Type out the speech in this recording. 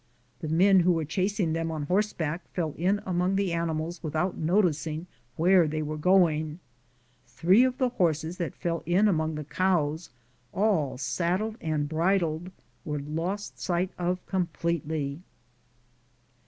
The men who were chasing them on horseback fell in among the animals without noticing where they were going. Three of sit, Google THE JOURNEY OF CORONADO the horses that fell in among the cows, all saddled and bridled, were loet sight of com pletely.